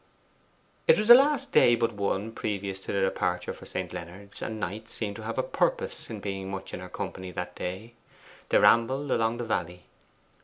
It was the last day but one previous to their departure for St. Leonards; and Knight seemed to have a purpose in being much in her company that day. They rambled along the valley.